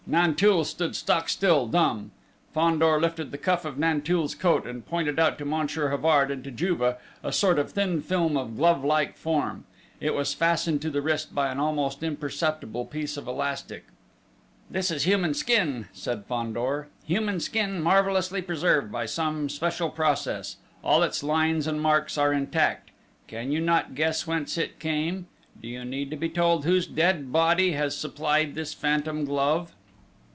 Nanteuil stood stock still, dumb. Fandor lifted the cuff of Nanteuil's coat, and pointed out to Monsieur Havard, and to Juve, a sort of thin film of glove like form. It was fastened to the wrist by an almost imperceptible piece of elastic. "This is human skin," said Fandor. "Human skin marvellously preserved by some special process: all its lines and marks are intact. Can you not guess whence it came? Do you need to be told whose dead body has supplied this phantom glove?"